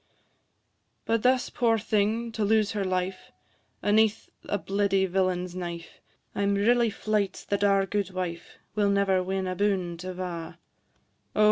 But thus, poor thing, to lose her life, Aneath a bleedy villain's knife, I 'm really fleyt that our guidwife Will never win aboon 't ava: O!